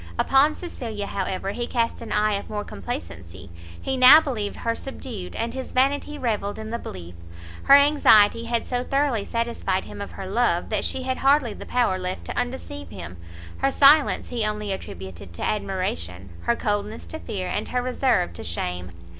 Upon Cecilia, however, he cast an eye of more complacency; he now believed her subdued, and his vanity revelled in the belief: her anxiety had so thoroughly satisfied him of her love, that she had hardly the power left to undeceive him; her silence he only attributed to admiration, her coldness to fear, and her reserve to shame.